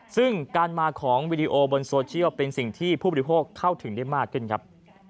ซึ่งการมาของวีดีโอบนโซเชียลเป็นสิ่งที่ผู้บริโภคเข้าถึงได้มากขึ้นครับ